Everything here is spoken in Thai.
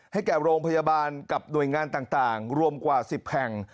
แก่โรงพยาบาลกับหน่วยงานต่างรวมกว่า๑๐แห่ง